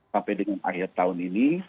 sampai dengan akhir tahun ini